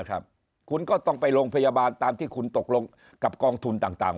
คุณก็ต้องไปโรงพยาบาลตามที่คุณตกลงกับกองทุนต่าง